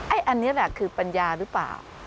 อันนี้แหละคือปัญญาหรือเปล่า